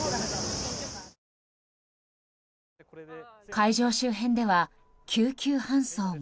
会場周辺では救急搬送も。